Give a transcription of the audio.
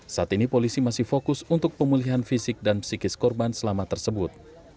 saat ini polisi masih fokus untuk pemulihan fisik dan psikis korban selama tersebut